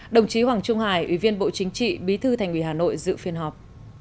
đồng chí hoàng trung hải ủy viên bộ chính trị bí thư thành ủy hà nội dự phiên họp